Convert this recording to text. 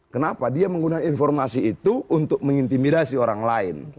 kenapa dia menggunakan informasi itu untuk mengintimidasi orang lain